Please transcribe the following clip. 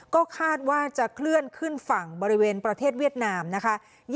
ก็คาดว่าจะเคลื่อนขึ้นฝั่งบริเวณประเทศเวียดนามนะคะ